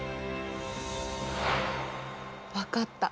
分かった。